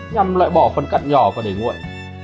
nhằm lại bỏ phần cặn nhỏ và để nguội